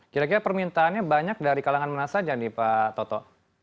kira kira permintaannya banyak dari kalangan mana saja nih pak toto